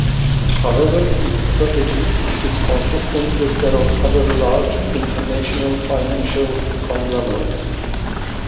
However, its strategy is consistent with that of other large, international financial conglomerates.